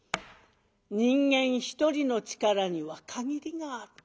人間一人の力には限りがある。